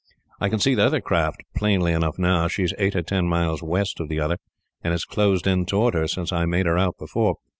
I can see the other craft plainly enough now; she is eight or ten miles west of the other, and has closed in towards her since I made her out before.